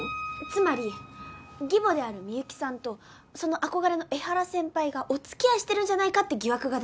つまり義母である深雪さんとその憧れの江原先輩がお付き合いしてるんじゃないかって疑惑が出て。